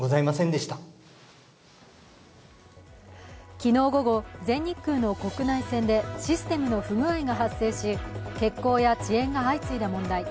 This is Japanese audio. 昨日午後、全日空の国内線でシステムの不具合が発生し、欠航や遅延が相次いだ問題。